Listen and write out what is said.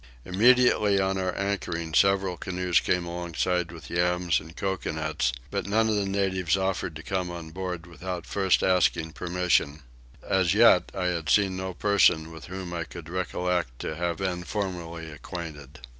Immediately on our anchoring several canoes came alongside with yams and coconuts, but none of the natives offered to come on board without first asking permission. As yet I had seen no person with whom I could recollect to have been formerly acquainted.